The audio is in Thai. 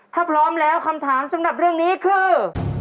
ถ้าพร้อมแล้วคำถามสำหรับเรื่องนี้คือ